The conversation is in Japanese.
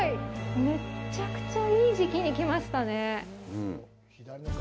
めっちゃくちゃいい時期に来ましたね。